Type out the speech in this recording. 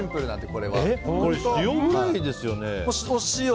これ、塩ぐらいですよね？